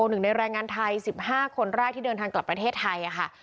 หนึ่งในรายงานทายสิบห้าคนแรกที่เดินทางกลับประเทศไทยค่ะ